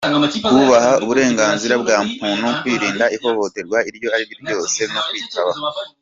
kubaha uburenganzira bwa muntu, kwirinda ihohoterwa iryo ari ryo ryose no kwiyitaho.